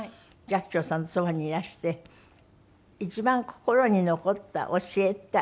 寂聴さんのそばにいらして一番心に残った教えって。